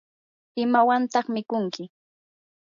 ¿imawantaq mikunki?